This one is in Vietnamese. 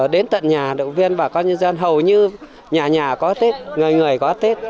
đến tận nhà động viên bà con nhân dân hầu như nhà nhà có tết người người có tết